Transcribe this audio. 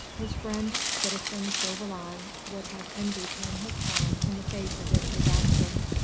His friend, citizen Chauvelin, would have envied him his calm in the face of this disaster.